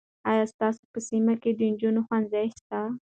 آیا ستاسو په سیمه کې د نجونو ښوونځی سته؟